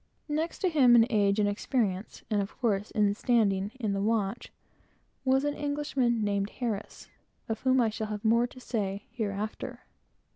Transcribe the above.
Next to him in age and experience, and, of course, in standing in the watch, was an Englishman, named Harris, of whom I shall have more to say hereafter.